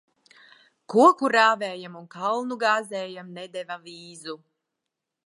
Koku rāvējam un kalnu gāzējam nedeva vīzu.